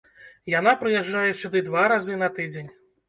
Яна прыязджае сюды два разы на тыдзень.